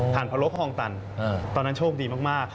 ห่านพะโล้คองตันตอนนั้นโชคดีมากครับ